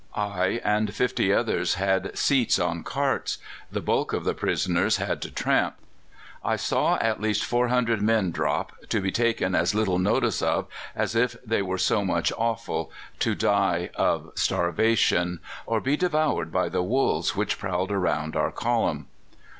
I and fifty others had seats on carts; the bulk of the prisoners had to tramp. I saw at least 400 men drop, to be taken as little notice of as if they were so much offal, to die of starvation, or be devoured by the wolves which prowled around our column.